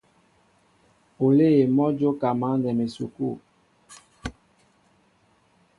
Olê mɔ́ a jóka mǎndɛm esukû.